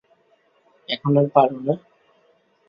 আর এখন পারো না?